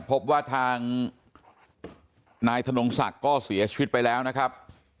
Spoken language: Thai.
พบว่าทางนายธนงศักดิ์ก็เสียชีวิตไปแล้วนะครับ